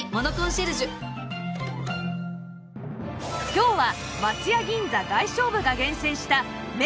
今日は